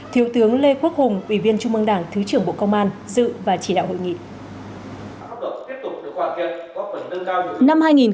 thiếu tướng lê quốc hùng ủy viên trung mương đảng thứ trưởng bộ công an dự và chỉ đạo hội nghị